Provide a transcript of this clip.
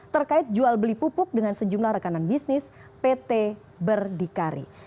terkait jual beli pupuk dengan sejumlah rekanan bisnis pt berdikari